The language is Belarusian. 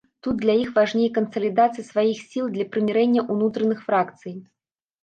Тут для іх важней кансалідацыя сваіх сіл для прымірэння ўнутраных фракцый.